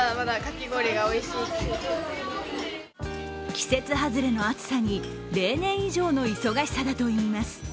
季節外れの暑さに例年以上の忙しさだといいます。